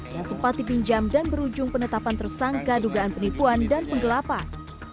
yang sempat dipinjam dan berujung penetapan tersangka dugaan penipuan dan penggelapan